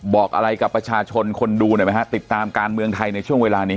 บอกอะไรกับประชาชนคนดูหน่อยไหมฮะติดตามการเมืองไทยในช่วงเวลานี้